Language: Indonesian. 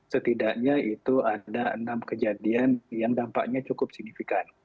setidaknya itu ada enam kejadian yang dampaknya cukup signifikan